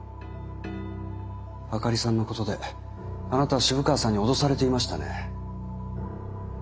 灯里さんのことであなたは渋川さんに脅されていましたね？